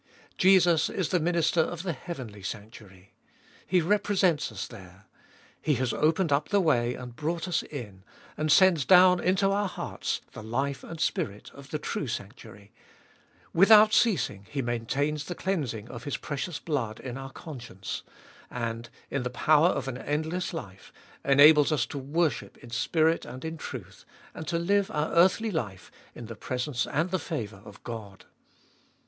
Jesus is the Minister of the heavenly sanctuary. He represents us there. He has opened up the way, and brought us in, and sends down into our hearts the life and spirit of the true sanctuary ; without ceasing He maintains the cleansing of His precious blood in our conscience, and, in the power of an endless life, enables us to worship in spirit and in truth, and to live our earthly life in the presence and the favour of God.